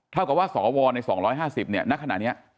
เท่ากับว่าสวใน๒๕๐เนี่ยณขณะนี้